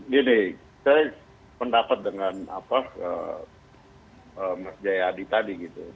jadi saya pendapat dengan mas jaya adi tadi